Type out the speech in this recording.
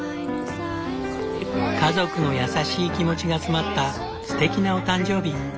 家族の優しい気持ちが詰まったすてきなお誕生日。